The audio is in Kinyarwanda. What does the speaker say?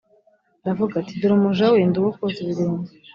aravuga ati dore umuja we ndi uwo koza ibirenge